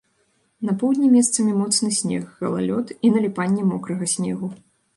На поўдні месцамі моцны снег, галалёд і наліпанне мокрага снегу.